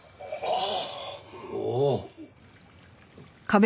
ああ。